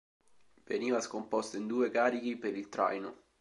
Veniva scomposto in due carichi per il traino.